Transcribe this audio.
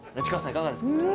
いかがですか？